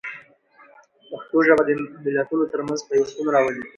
پښتو ژبه د ملتونو ترمنځ پیوستون راولي.